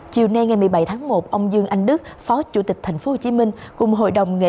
chiều nay ngày một mươi bảy tháng một ông dương anh đức phó chủ tịch tp hcm cùng hội đồng nghệ